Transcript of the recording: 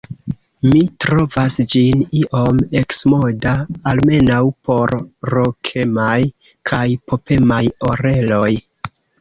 Mi trovas ĝin iom eksmoda, almenaŭ por rokemaj kaj popemaj oreloj.